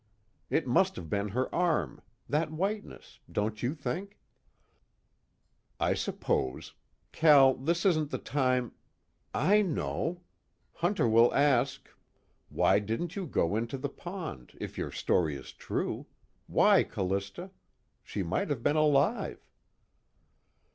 It must have been her arm, that whiteness, don't you think?" "I suppose. Cal, this isn't the time " "I know. Hunter will ask: 'Why didn't you go into the pond, if your story is true? Why, Callista? She might have been alive.'"